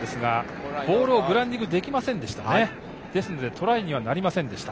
トライまでは行きませんでした。